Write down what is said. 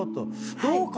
どうかな？